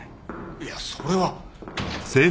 いやそれは。